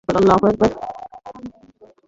তিনি নিজের প্রথাগত পড়াশোনা শেষ করতে পারেন নি।